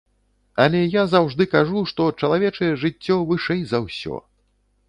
Але я заўжды кажу, што чалавечае жыццё вышэй за ўсё.